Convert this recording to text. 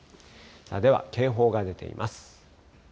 では警報が出ています。